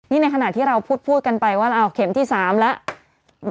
นี่ในขณะที่เราพูดกันไปว่าเราเข็มที่๓แล้ว